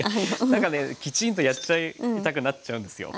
何かねきちんとやっちゃいたくなっちゃうんですよ。